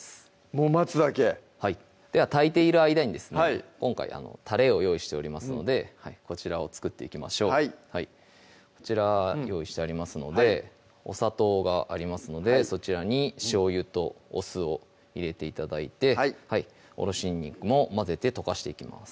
もう待つだけでは炊いている間にですね今回たれを用意しておりますのでこちらを作っていきましょうはいこちら用意してありますのでお砂糖がありますのでそちらにしょうゆとお酢を入れて頂いておろしにんにくも混ぜて溶かしていきます